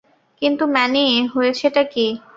কিন্তু ম্যানি, হয়েছেটা কি?